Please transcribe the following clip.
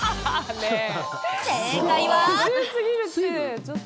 正解は。